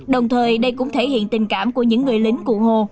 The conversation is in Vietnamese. đồng thời đây cũng thể hiện tình cảm của những người lính cụ hồ